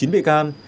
một mươi chín bị cao